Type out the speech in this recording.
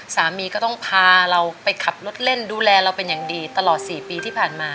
สามีก็ต้องพาเราไปขับรถเล่นดูแลเราเป็นอย่างดีตลอด๔ปีที่ผ่านมา